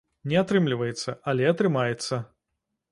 Не атрымліваецца, але атрымаецца.